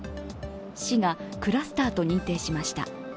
市がクラスターと認定しました。